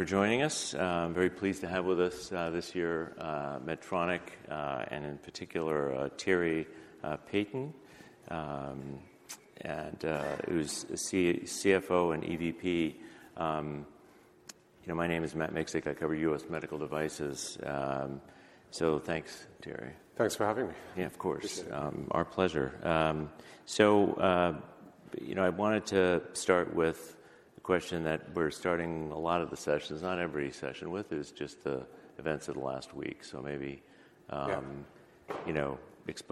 For joining us. I'm very pleased to have with us this year Medtronic and in particular Thierry Piéton, who's CFO and EVP. My name is Matt Miksic. I cover U.S. medical devices. Thanks, Thierry. Thanks for having me. Yeah, of course. Appreciate it. Our pleasure. You know, I wanted to start with the question that we're starting a lot of the sessions, not every session with, is just the events of the last week. Yeah.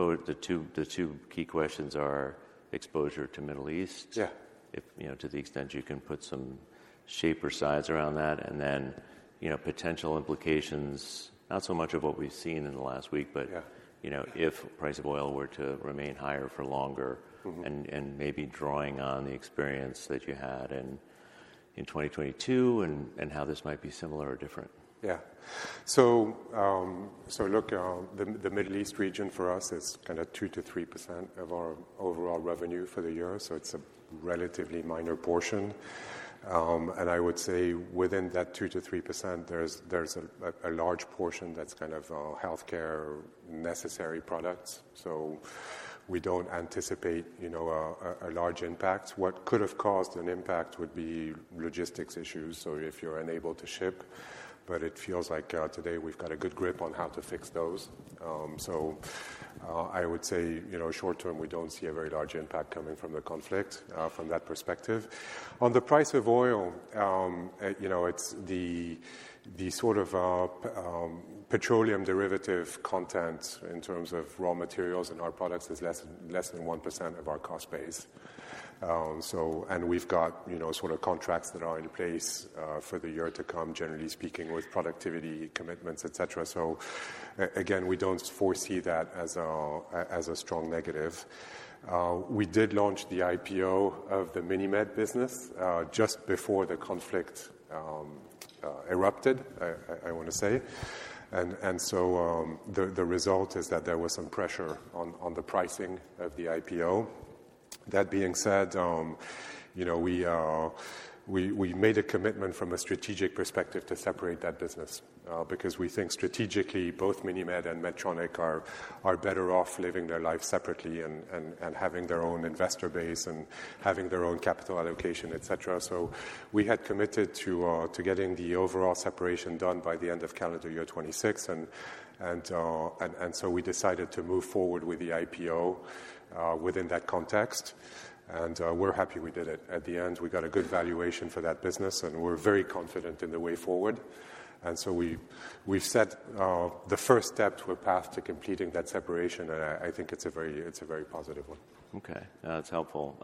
The two key questions are exposure to Middle East. Yeah. If you know, to the extent you can put some shape or size around that, and then you know, potential implications, not so much of what we've seen in the last week. Yeah. If price of oil were to remain higher for longer. Mm-hmm. Maybe drawing on the experience that you had in 2022 and how this might be similar or different. The Middle East region for us is kinda 2%-3% of our overall revenue for the year, so it's a relatively minor portion. I would say within that 2%-3%, there's a large portion that's kind of healthcare necessary products. We don't anticipate, you know, a large impact. What could have caused an impact would be logistics issues, so if you're unable to ship, but it feels like today we've got a good grip on how to fix those. I would say, you know, short term, we don't see a very large impact coming from the conflict from that perspective. On the price of oil, you know, it's the sort of petroleum derivative content in terms of raw materials in our products is less than 1% of our cost base. We've got, you know, sort of contracts that are in place for the year to come, generally speaking, with productivity commitments, et cetera. Again, we don't foresee that as a strong negative. We did launch the IPO of the MiniMed business just before the conflict erupted, I wanna say. The result is that there was some pressure on the pricing of the IPO. That being said, you know, we made a commitment from a strategic perspective to separate that business, because we think strategically, both MiniMed and Medtronic are better off living their life separately and having their own investor base and having their own capital allocation, et cetera. We had committed to getting the overall separation done by the end of calendar year 2026. We decided to move forward with the IPO within that context. We're happy we did it. At the end, we got a good valuation for that business, and we're very confident in the way forward. We've set the first step to a path to completing that separation, and I think it's a very positive one. Okay. That's helpful.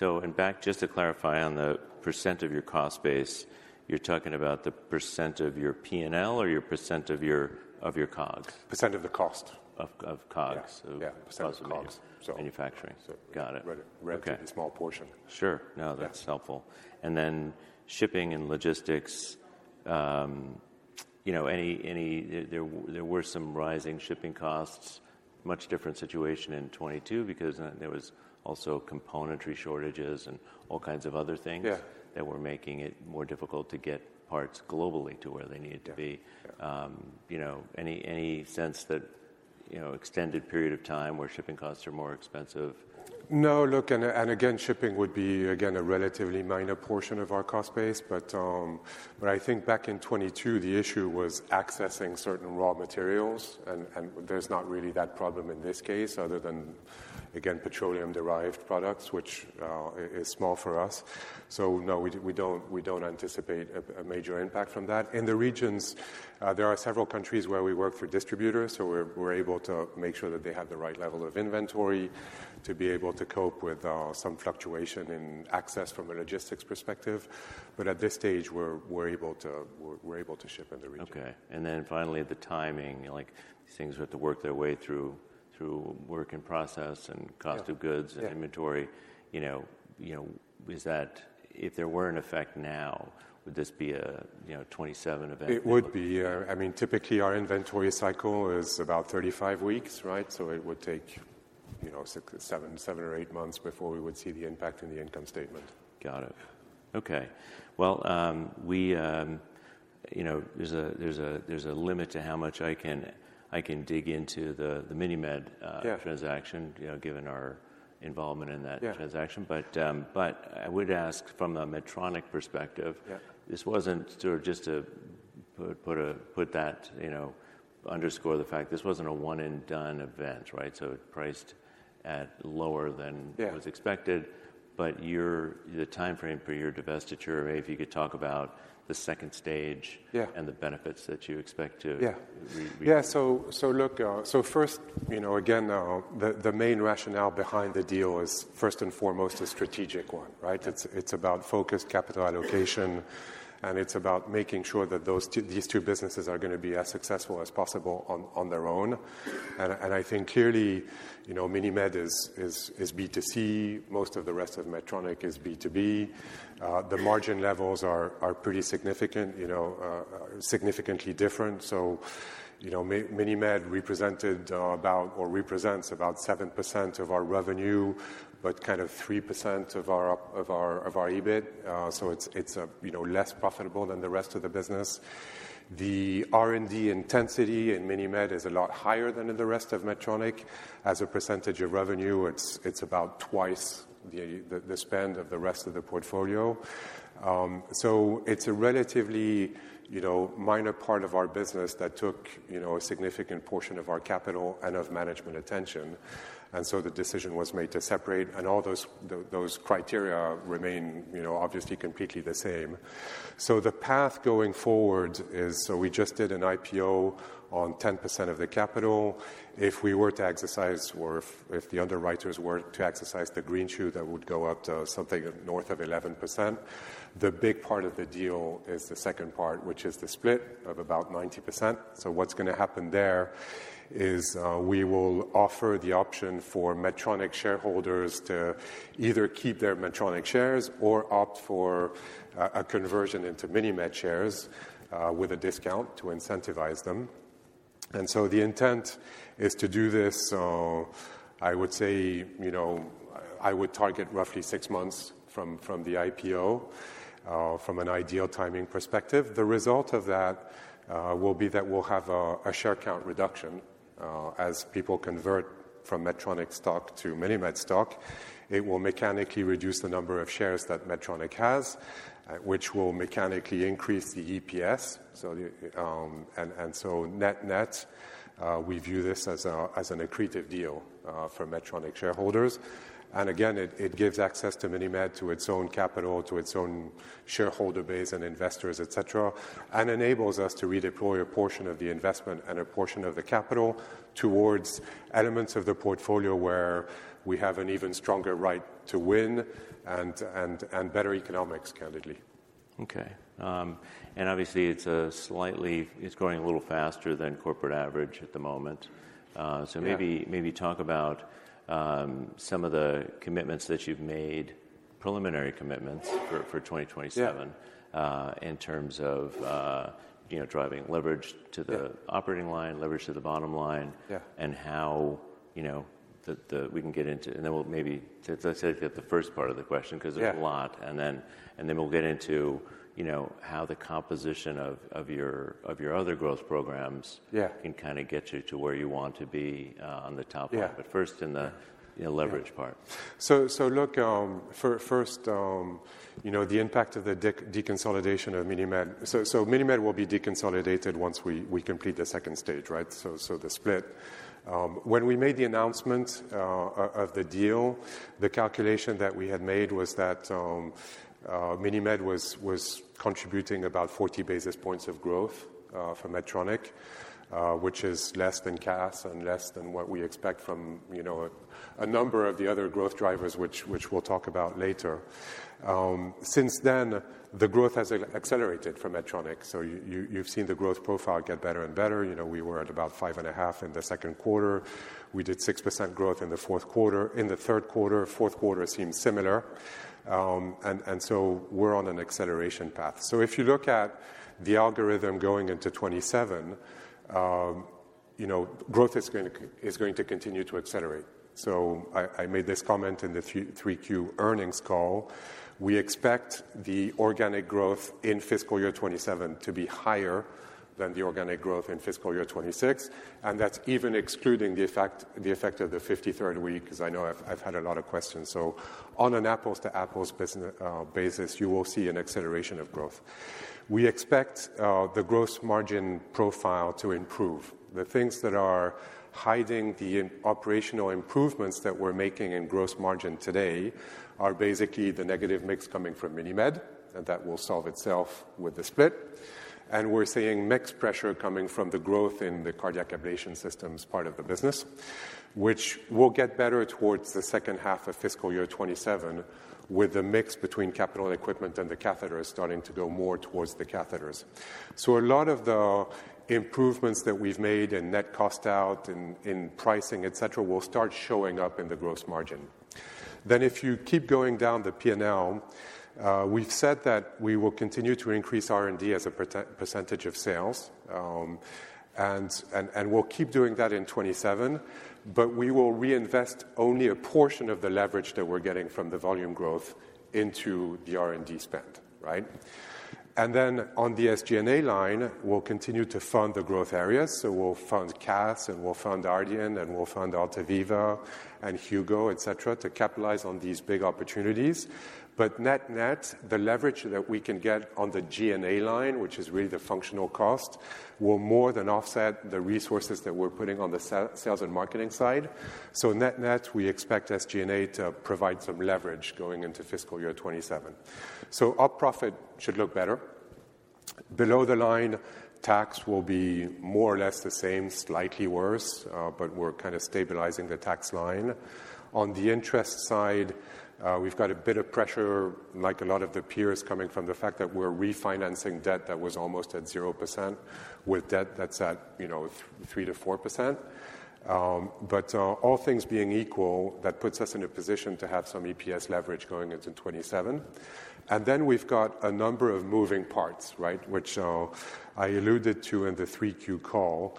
In fact, just to clarify on the percent of your cost base, you're talking about the percent of your P&L or your percent of your COGS? Percent of the cost. Of COGS. Yeah. Of costs. Percent of the COGS. Manufacturing. So. Got it. Real small portion. Sure. No, that's helpful. Shipping and logistics, you know, there were some rising shipping costs, much different situation in 2022 because then there was also componentry shortages and all kinds of other things. Yeah. That were making it more difficult to get parts globally to where they needed to be. Yeah. You know, any sense that, you know, extended period of time where shipping costs are more expensive? No. Look, again, shipping would be, again, a relatively minor portion of our cost base. I think back in 2022, the issue was accessing certain raw materials, and there's not really that problem in this case other than, again, petroleum-derived products, which is small for us. No, we don't anticipate a major impact from that. In the regions, there are several countries where we work for distributors, so we're able to make sure that they have the right level of inventory to be able to cope with some fluctuation in access from a logistics perspective. At this stage, we're able to ship in the region. Okay. Finally, the timing, like things have to work their way through work in process and cost of goods. Yeah. Inventory, you know, is that if there were an effect now, would this be a, you know, 27 event? It would be. I mean, typically our inventory cycle is about 35 weeks, right? It would take, you know, six or seven or eight months before we would see the impact in the income statement. Got it. Okay. Well, you know, there's a limit to how much I can dig into the MiniMed. Yeah. Transaction, you know, given our involvement in that. Yeah. ...transaction. I would ask from a Medtronic perspective. Yeah. This wasn't sort of just to put that, you know, underscore the fact this wasn't a one and done event, right? It priced at lower than was expected, but the timeframe for your divestiture, if you could talk about the second stage? Yeah. The benefits that you expect to. Yeah. First, you know, again, the main rationale behind the deal is first and foremost a strategic one, right? It's about focused capital allocation, and it's about making sure that those two, these two businesses are gonna be as successful as possible on their own. I think clearly, you know, MiniMed is B2C. Most of the rest of Medtronic is B2B. The margin levels are pretty significant, you know, significantly different. You know, MiniMed represented or represents about 7% of our revenue, but kind of 3% of our EBIT. It's, you know, less profitable than the rest of the business. The R&D intensity in MiniMed is a lot higher than in the rest of Medtronic. As a percentage of revenue, it's about twice the spend of the rest of the portfolio. So it's a relatively you know minor part of our business that took you know a significant portion of our capital and of management attention. The decision was made to separate, and all those criteria remain you know obviously completely the same. The path going forward is so we just did an IPO on 10% of the capital. If we were to exercise or if the underwriters were to exercise the greenshoe, that would go up to something north of 11%. The big part of the deal is the second part, which is the split of about 90%. What's gonna happen there is, we will offer the option for Medtronic shareholders to either keep their Medtronic shares or opt for a conversion into MiniMed shares with a discount to incentivize them. The intent is to do this, I would say, you know, I would target roughly six months from the IPO from an ideal timing perspective. The result of that will be that we'll have a share count reduction as people convert from Medtronic stock to MiniMed stock. It will mechanically reduce the number of shares that Medtronic has which will mechanically increase the EPS. Net-net, we view this as an accretive deal for Medtronic shareholders. Again, it gives access to MiniMed to its own capital, to its own shareholder base and investors, et cetera, and enables us to redeploy a portion of the investment and a portion of the capital towards elements of the portfolio where we have an even stronger right to win and better economics, candidly. Obviously, it's growing a little faster than corporate average at the moment. Maybe Yeah. Maybe talk about some of the commitments that you've made, preliminary commitments for 2027. Yeah. In terms of, you know, driving leverage to the operating line, leverage to the bottom line. Yeah. How, you know, the. Let's say the first part of the question 'cause there's a lot. Yeah. We'll get into, you know, how the composition of your other growth programs. Yeah. Can kind of get you to where you want to be, on the top line. Yeah. First in the, you know, leverage part. Look, first, you know, the impact of the deconsolidation of MiniMed. MiniMed will be deconsolidated once we complete the second stage, right? The split. When we made the announcement of the deal, the calculation that we had made was that MiniMed was contributing about 40 basis points of growth for Medtronic, which is less than CAS and less than what we expect from, you know, a number of the other growth drivers which we'll talk about later. Since then, the growth has accelerated for Medtronic. You've seen the growth profile get better and better. You know, we were at about 5.5% in the second quarter. We did 6% growth in the fourth quarter. In the third quarter, fourth quarter seemed similar. We're on an acceleration path. If you look at the algorithm going into 2027, you know, growth is going to continue to accelerate. I made this comment in the 3Q earnings call. We expect the organic growth in fiscal year 2027 to be higher than the organic growth in fiscal year 2026, and that's even excluding the effect of the 53rd week, because I know I've had a lot of questions. On an apples-to-apples business basis, you will see an acceleration of growth. We expect the gross margin profile to improve. The things that are hiding the operational improvements that we're making in gross margin today are basically the negative mix coming from MiniMed, and that will solve itself with the split. We're seeing mixed pressure coming from the growth in the cardiac ablation systems part of the business, which will get better towards the second half of fiscal year 2027 with the mix between capital equipment and the catheters starting to go more towards the catheters. A lot of the improvements that we've made in net cost out, in pricing, et cetera, will start showing up in the gross margin. If you keep going down the P&L, we've said that we will continue to increase R&D as a percentage of sales. We'll keep doing that in 2027, but we will reinvest only a portion of the leverage that we're getting from the volume growth into the R&D spend, right? On the SG&A line, we'll continue to fund the growth areas. We'll fund CAS, and we'll fund Ardian, and we'll fund Altaviva and Hugo, et cetera, to capitalize on these big opportunities. Net-net, the leverage that we can get on the G&A line, which is really the functional cost, will more than offset the resources that we're putting on the sales and marketing side. Net-net, we expect SG&A to provide some leverage going into fiscal year 2027. Op profit should look better. Below the line, tax will be more or less the same, slightly worse, but we're kind of stabilizing the tax line. On the interest side, we've got a bit of pressure, like a lot of the peers, coming from the fact that we're refinancing debt that was almost at 0% with debt that's at, you know, three to four percent. All things being equal, that puts us in a position to have some EPS leverage going into 2027. Then we've got a number of moving parts, right? Which I alluded to in the 3Q call.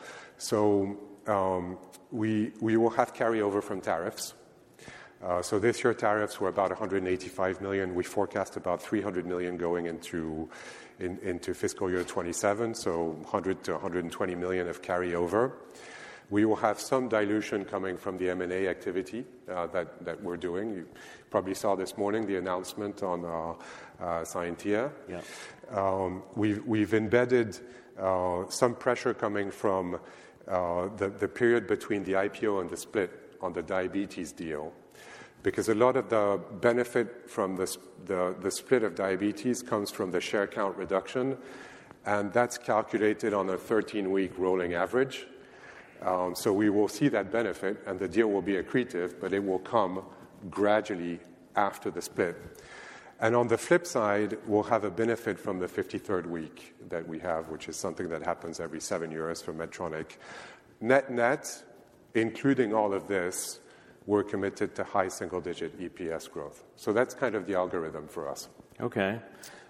We will have carryover from tariffs. This year tariffs were about $185 million. We forecast about $300 million going into fiscal year 2027, so $100 million-$120 million of carryover. We will have some dilution coming from the M&A activity that we're doing. You probably saw this morning the announcement on Scientia Vascular. Yeah. We've embedded some pressure coming from the period between the IPO and the split on the diabetes deal because a lot of the benefit from the split of diabetes comes from the share count reduction, and that's calculated on a 13-week rolling average. We will see that benefit and the deal will be accretive, but it will come gradually after the split. On the flip side, we'll have a benefit from the 53rd week that we have, which is something that happens every seven years for Medtronic. Net-net, including all of this, we're committed to high single-digit EPS growth. That's kind of the algorithm for us. Okay.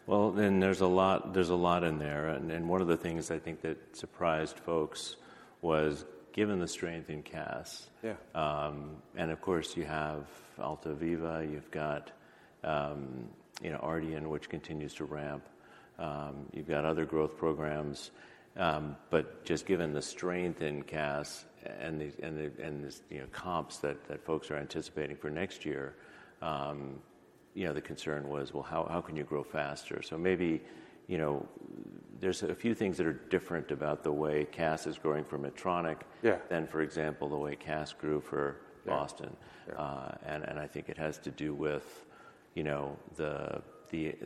Well, there's a lot in there, and one of the things I think that surprised folks was given the strength in CAS. Yeah. Of course, you have Altaviva, you've got, you know, Ardian, which continues to ramp, you've got other growth programs. Just given the strength in CAS and the, you know, comps that folks are anticipating for next year, you know, the concern was, well, how can you grow faster? Maybe, you know, there's a few things that are different about the way CAS is growing for Medtronic than, for example, the way CAS grew Boston. Yeah. I think it has to do with, you know, the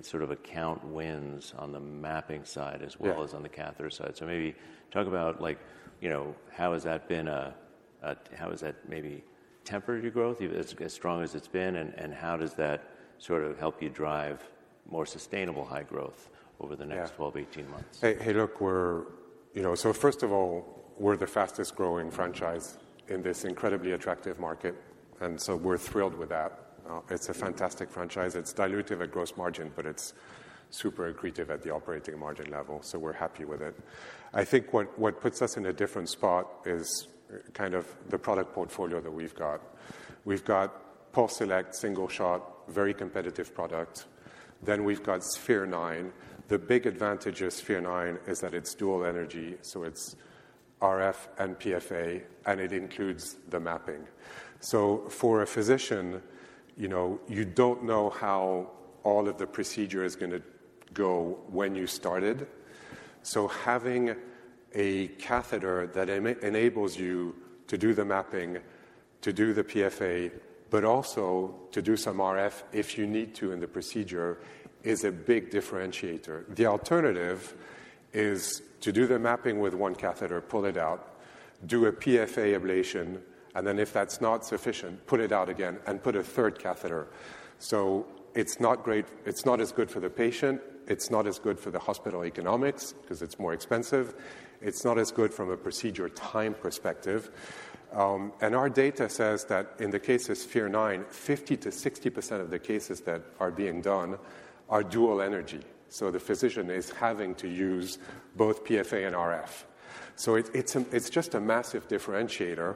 sort of account wins on the mapping side as well. Yeah. ...as on the catheter side. Maybe talk about, like, you know, how has that been, how has that maybe tempered your growth, as strong as it's been, and how does that sort of help you drive more sustainable high growth over the next- Yeah. 12, 18 months? First of all, we're the fastest-growing franchise in this incredibly attractive market, and we're thrilled with that. It's a fantastic franchise. It's dilutive at gross margin, but it's super accretive at the operating margin level, so we're happy with it. I think what puts us in a different spot is kind of the product portfolio that we've got. We've got PulseSelect, single-shot, very competitive product. Then we've got Sphere-9. The big advantage of Sphere-9 is that it's dual energy, so it's RF and PFA, and it includes the mapping. For a physician, you know, you don't know how all of the procedure is gonna go when you started. Having a catheter that enables you to do the mapping, to do the PFA, but also to do some RF if you need to in the procedure is a big differentiator. The alternative is to do the mapping with one catheter, pull it out, do a PFA ablation, and then if that's not sufficient, put it out again and put a third catheter. It's not great. It's not as good for the patient. It's not as good for the hospital economics 'cause it's more expensive. It's not as good from a procedure time perspective. Our data says that in the case of Sphere 9, 50%-60% of the cases that are being done are dual energy. The physician is having to use both PFA and RF. It's just a massive differentiator.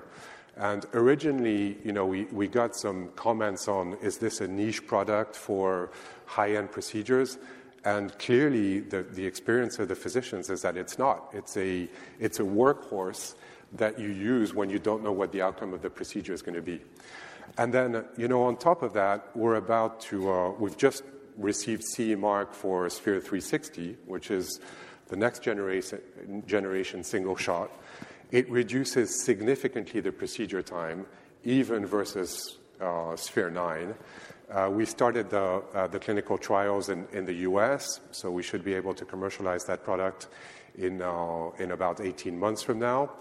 Originally, you know, we got some comments on, is this a niche product for high-end procedures? Clearly, the experience of the physicians is that it's not. It's a workhorse that you use when you don't know what the outcome of the procedure is gonna be. Then, you know, on top of that, we've just received CE mark for Sphere-360, which is the next generation single-shot. It reduces significantly the procedure time, even versus Sphere-9. We started the clinical trials in the U.S., so we should be able to commercialize that product in about 18 months from now.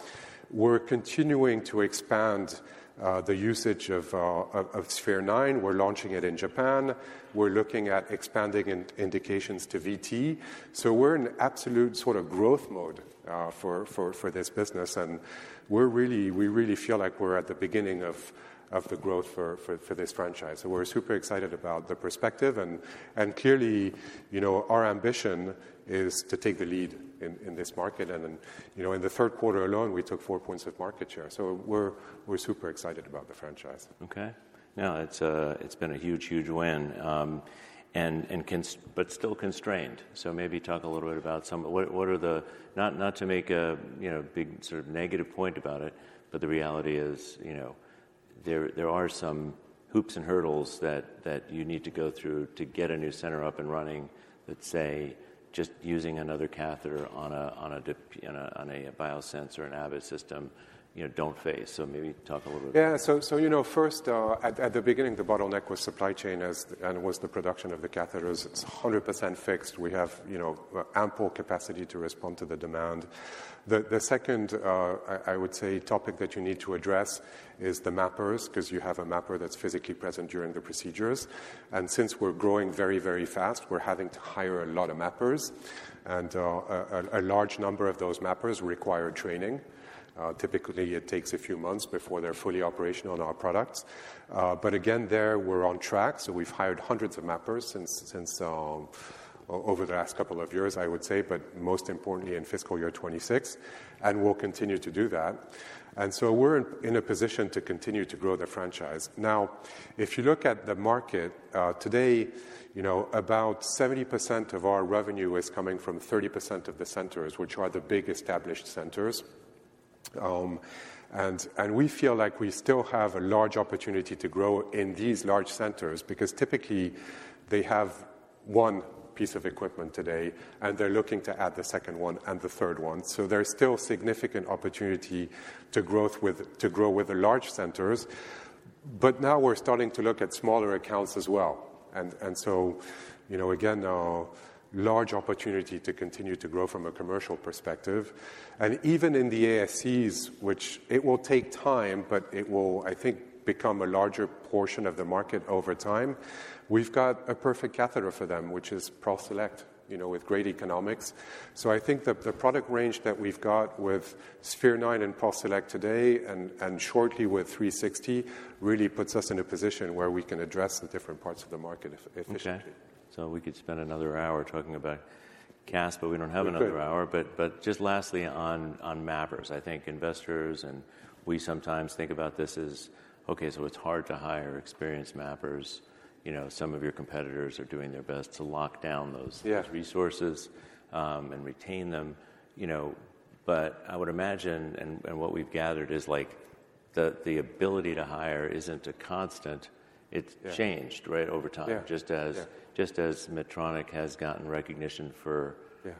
We're continuing to expand the usage of Sphere-9. We're launching it in Japan. We're looking at expanding indications to VT. We're in absolute sort of growth mode for this business, and we really feel like we're at the beginning of the growth for this franchise. We're super excited about the prospects and clearly, you know, our ambition is to take the lead in this market. In the third quarter alone, we took 4 points of market share. We're super excited about the franchise. Okay. No, it's been a huge win. And consequently, but still constrained. Maybe talk a little bit about. What are the. Not to make a, you know, big sort of negative point about it, but the reality is, you know, there are some hoops and hurdles that you need to go through to get a new center up and running, let's say, just using another catheter on an EnSite, an Abbott system, you know, don't face. Maybe talk a little bit about that. Yeah. You know, first, at the beginning, the bottleneck was supply chain, and was the production of the catheters. It's 100% fixed. We have, you know, ample capacity to respond to the demand. The second, I would say topic that you need to address is the mappers 'cause you have a mapper that's physically present during the procedures. Since we're growing very, very fast, we're having to hire a lot of mappers. A large number of those mappers require training. Typically, it takes a few months before they're fully operational on our products. But again, there we're on track. We've hired hundreds of mappers since over the last couple of years, I would say, but most importantly in fiscal year 2026, and we'll continue to do that. We're in a position to continue to grow the franchise. Now, if you look at the market, today, you know, about 70% of our revenue is coming from 30% of the centers, which are the big established centers. We feel like we still have a large opportunity to grow in these large centers because typically they have one piece of equipment today, and they're looking to add the second one and the third one. There's still significant opportunity to grow with the large centers. Now we're starting to look at smaller accounts as well. You know, again, a large opportunity to continue to grow from a commercial perspective. Even in the ASCs, which it will take time, but it will, I think, become a larger portion of the market over time. We've got a perfect catheter for them, which is PulseSelect, you know, with great economics. I think the product range that we've got with Sphere-9 and PulseSelect today and shortly with Sphere-360 really puts us in a position where we can address the different parts of the market efficiently. Okay. We could spend another hour talking about CAS, but we don't have another hour. We could. Just lastly on mappers. I think investors and we sometimes think about this as, okay, so it's hard to hire experienced mappers. You know, some of your competitors are doing their best to lock down those resources, and retain them, you know. I would imagine and what we've gathered is like the ability to hire isn't a constant. It's changed, right, over time. Yeah. Just as Medtronic has gotten recognition for,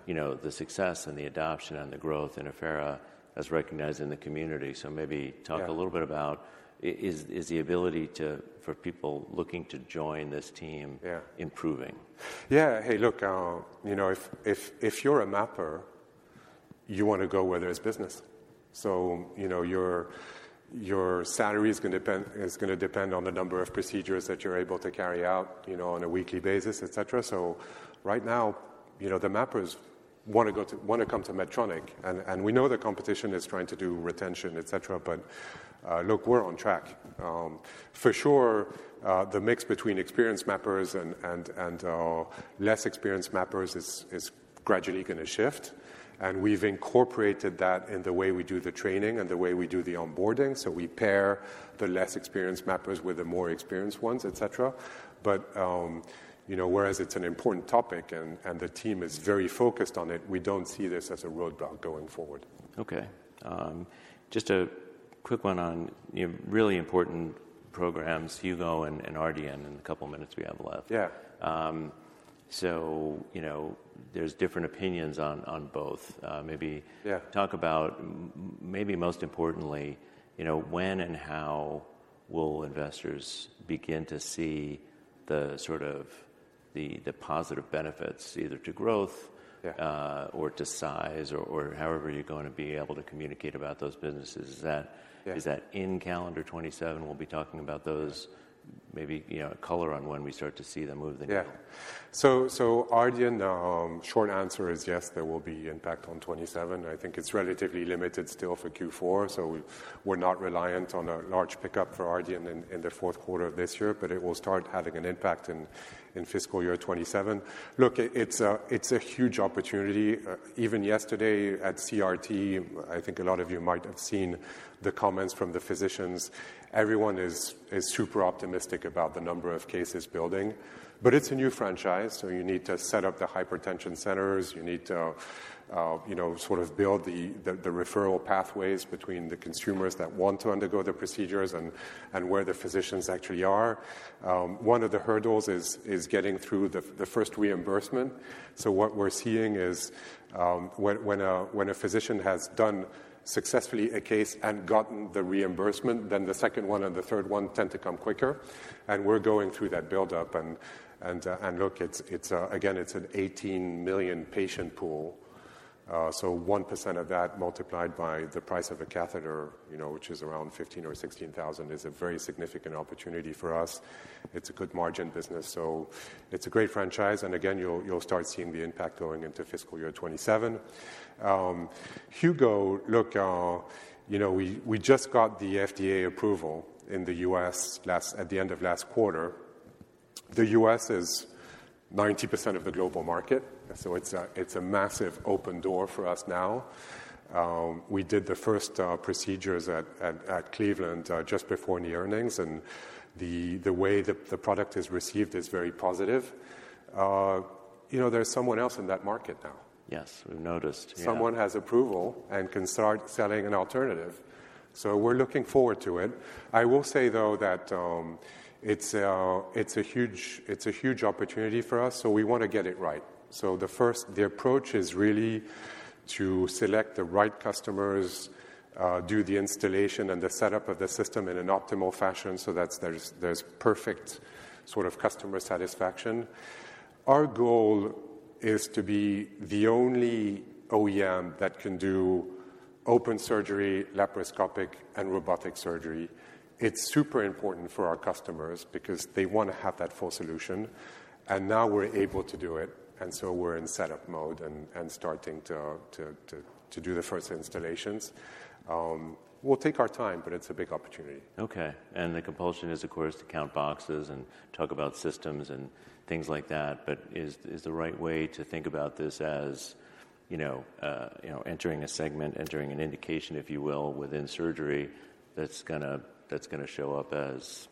you know, the success and the adoption and the growth in Affera as recognized in the community talk a little bit about this, is the ability to, for people looking to join this team improving? Yeah. Hey, look, you know if you're a mapper, you wanna go where there's business. You know, your salary is gonna depend on the number of procedures that you're able to carry out, you know, on a weekly basis, et cetera. Right now, you know, the mappers wanna come to Medtronic, and we know the competition is trying to do retention, et cetera, but look, we're on track. For sure, the mix between experienced mappers and less experienced mappers is gradually gonna shift, and we've incorporated that in the way we do the training and the way we do the onboarding. We pair the less experienced mappers with the more experienced ones, et cetera. You know, whereas it's an important topic and the team is very focused on it, we don't see this as a roadblock going forward. Okay. Just a quick one on, you know, really important programs, Hugo and Ardian in a couple minutes we have left. Yeah. You know, there's different opinions on both. Yeah.... talk about maybe most importantly, you know, when and how will investors begin to see the sort of positive benefits either to growthhowever you're gonna be able to communicate about those businesses. Is that in calendar 2027, we'll be talking about those. Yeah. Maybe, you know, color on when we start to see them move the needle? Yeah. So Ardian, short answer is yes, there will be impact on 2027. I think it's relatively limited still for Q4, so we're not reliant on a large pickup for Ardian in the fourth quarter of this year, but it will start having an impact in fiscal year 2027. Look, it's a huge opportunity. Even yesterday at CRT, I think a lot of you might have seen the comments from the physicians. Everyone is super optimistic about the number of cases building, but it's a new franchise, so you need to set up the hypertension centers. You need to, you know, sort of build the referral pathways between the consumers that want to undergo the procedures and where the physicians actually are. One of the hurdles is getting through the first reimbursement. What we're seeing is, when a physician has done successfully a case and gotten the reimbursement, then the second one and the third one tend to come quicker. We're going through that buildup and look, again, it's an 18 million patient pool. 1% of that multiplied by the price of a catheter, you know, which is around $15,000-$16,000, is a very significant opportunity for us. It's a good margin business, so it's a great franchise. Again, you'll start seeing the impact going into fiscal year 2027. Hugo, look, you know, we just got the FDA approval in the U.S. at the end of last quarter. The U.S. is 90% of the global market, so it's a massive open door for us now. We did the first procedures at Cleveland just before the earnings, and the way the product is received is very positive. You know, there's someone else in that market now. Yes, we've noticed. Someone has approval and can start selling an alternative, so we're looking forward to it. I will say, though, that it's a huge opportunity for us, so we wanna get it right. The approach is really to select the right customers, do the installation and the setup of the system in an optimal fashion, so that's, there's perfect sort of customer satisfaction. Our goal is to be the only OEM that can do open surgery, laparoscopic and robotic surgery. It's super important for our customers because they wanna have that full solution, and now we're able to do it, and so we're in setup mode and starting to do the first installations. We'll take our time, but it's a big opportunity. Okay. The compulsion is, of course, to count boxes and talk about systems and things like that, but is the right way to think about this as, you know, entering a segment, entering an indication, if you will, within surgery that's gonna show up as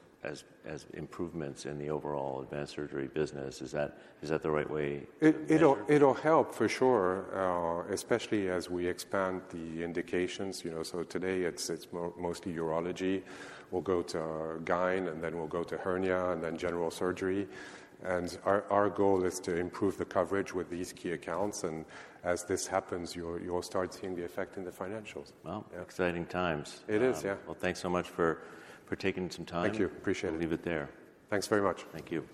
improvements in the overall advanced surgery business? Is that the right way to measure? It'll help for sure, especially as we expand the indications, you know. Today it's mostly urology. We'll go to GYN, and then we'll go to hernia and then general surgery. Our goal is to improve the coverage with these key accounts, and as this happens, you'll start seeing the effect in the financials. Well exciting times. It is, yeah. Well, thanks so much for taking some time. Thank you. Appreciate it. We'll leave it there. Thanks very much. Thank you.